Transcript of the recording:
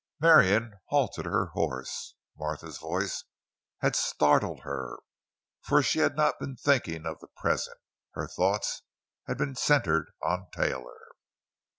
Marion halted her horse. Martha's voice had startled her, for she had not been thinking of the present; her thoughts had been centered on Taylor.